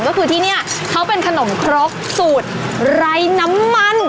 ก็คือที่นี่เขาเป็นขนมครกสูตรไร้น้ำมัน